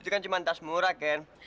itu kan cuman tas murah ken